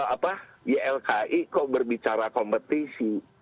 apa ylki kok berbicara kompetisi